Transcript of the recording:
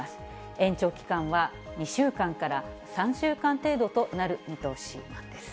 延長期間は、２週間から３週間程度となる見通しなんです。